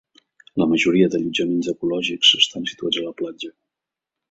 La majoria d'allotjaments ecològics estan situats a la platja.